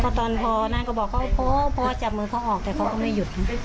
ตอนพอนั้นก็บอกเขาพอจับมือเขาออกแต่เขาก็ไม่หยุด